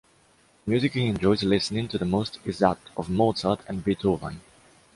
The music he enjoys listening to the most is that of Mozart and Beethoven.